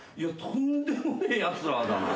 とんでもねえやつらだな。